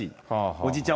おじいちゃん